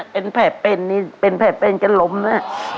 เป็นแผลเป็นนี่เป็นแผลเป็นจนล้มนะ